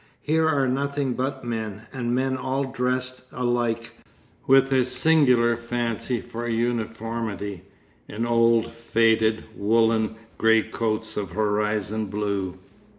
Here are nothing but men, and men all dressed alike, with a singular fancy for uniformity, in old, faded, woollen great coats of horizon blue.